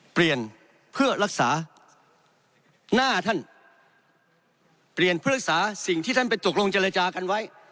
เปลี่ยนเพื่อรักษาหน้าท่านเปลี่ยนเพื่อรักษาสิ่งที่ท่านไปตกลงเจรจากันไว้